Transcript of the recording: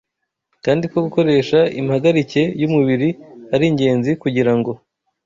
kandi ko gukoresha impagarike y’umubiri ari ingenzi kugira ngo